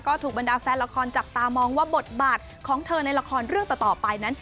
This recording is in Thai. ก็ถูกบรรดาแฟนละครจับตามองว่าบทบาทของเธอในละครเรื่องต่อไปนั้น